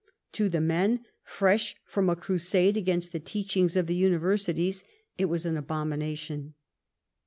To the men fresh from a crusade against the teachings of the Universities it was an abomination.